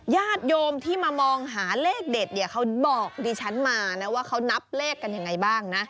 ญาติโยมที่มามองหาเลขเด็ดเนี่ยเขาบอกดิฉันมานะว่าเขานับเลขกันยังไงบ้างนะ